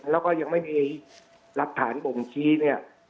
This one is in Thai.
แล้วก็ยังไม่มีหลักฐานบ่งชี้เนี่ย